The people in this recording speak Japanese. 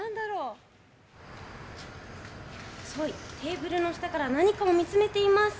ソイ、テーブルの下から何かを見つめています。